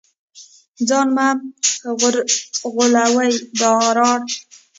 ځان مه غولوې ډارت